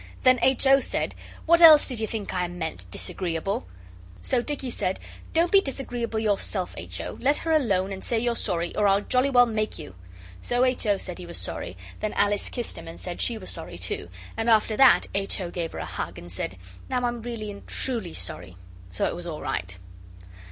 Then H. O. said, 'What else did you think I meant, Disagreeable?' So Dicky said, 'Don't be disagreeable yourself, H. O. Let her alone and say you're sorry, or I'll jolly well make you!' So H. O. said he was sorry. Then Alice kissed him and said she was sorry too; and after that H. O. gave her a hug, and said, 'Now I'm really and truly sorry,' So it was all right.